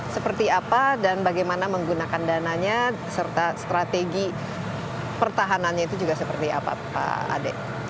seperti apa dan bagaimana menggunakan dananya serta strategi pertahanannya itu juga seperti apa pak ade